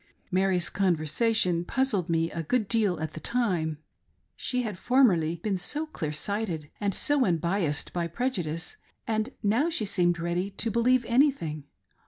Mary's conversation puzzled me a good deal at the time. She had formerly ^een so clear sighted and so unbiassed by prejudice, and now she seemed ready to believe anything.